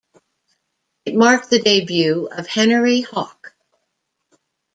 It marked the debut of Henery Hawk.